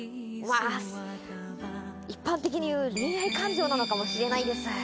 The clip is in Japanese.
一般的に言う恋愛感情なのかもしれないです